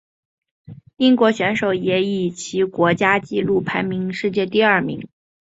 英国选手也以其国家纪录排名世界第二。